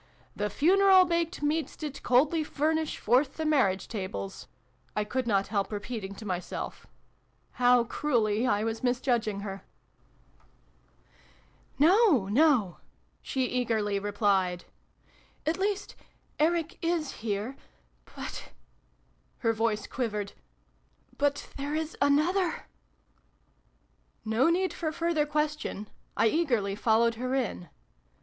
"' The funeral baked meats did coldly furnish forth the marriage tables^ " I could not help repeating to myself. How cruelly I was misjudging her ! D D 402 SYLVIE AND BRUNO CONCLUDED'. "No, no!" she eagerly replied. "At least Eric is here. But ," her voice quivered, " but there is another !" No need for further question. I eagerly followed her in.